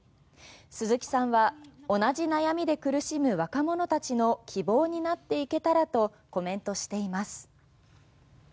鈴木さんは同じ悩みで苦しむ若者たちの希望になっていけたらとコメントしています。